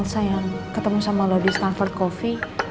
kak soal temen elsa yang ketemu sama lo di stamford coffee